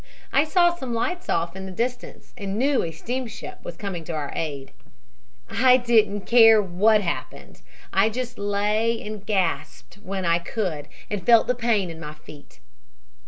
I saw some lights off in the distance and knew a steamship was coming to our aid. "I didn't care what happened. I just lay, and gasped when I could and felt the pain in my feet.